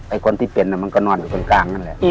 ไอ้คนที่เป็นมันก็นอนอยู่ข้างนั่นแหละ